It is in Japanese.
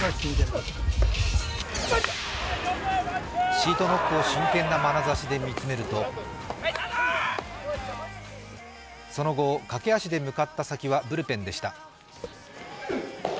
シートノックを真剣なまなざしで見つめるとその後、駆け足で向かった先はブルペンでした。